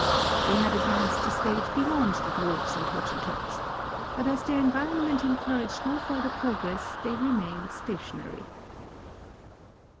They had advanced a stage beyond the Dwarfs and Hottentots, but as their environment encouraged no further progress they remained stationary.